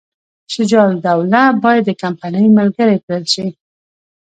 شجاع الدوله باید د کمپنۍ ملګری کړل شي.